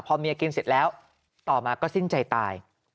พอเมียกินเสร็จแล้วต่อมาก็สิ้นใจตาย